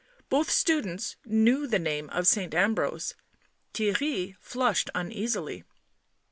Both students knew the name of Saint Ambrose. Theirry flushed uneasily.